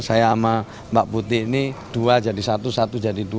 saya sama mbak putih ini dua jadi satu satu jadi dua